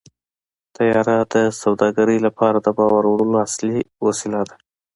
طیاره د سوداګرۍ لپاره د بار وړلو اصلي وسیله ده.